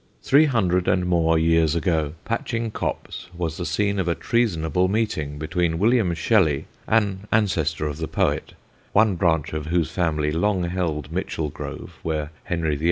Three hundred and more years ago Patching Copse was the scene of a treasonable meeting between William Shelley, an ancestor of the poet, one branch of whose family long held Michelgrove (where Henry VIII.